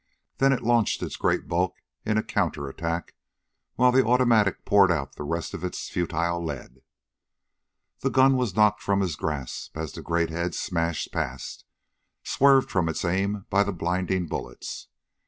Then it launched its great bulk in a counter attack, while the automatic poured out the rest of its futile lead. The gun was knocked from his grasp as the great head smashed past, swerved from its aim by the blinding bullets.